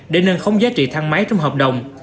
để nâng khống giá trị thang máy trong hợp đồng